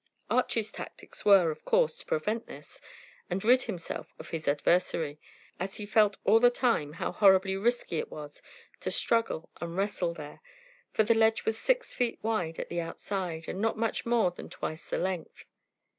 Archy's tactics were, of course, to prevent this, and rid himself of his adversary, as he felt all the time how horribly risky it was to struggle and wrestle there, for the ledge was six feet wide at the outside, and not much more than twice the length.